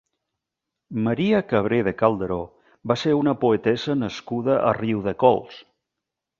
Maria Cabré de Calderó va ser una poetessa nascuda a Riudecols.